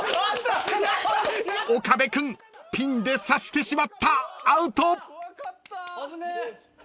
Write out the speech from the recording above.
［岡部君ピンでさしてしまったアウト！］